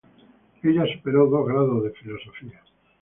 Ella superó dos grados de Filosofía.